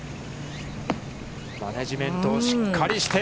マネジメントをしっかりして。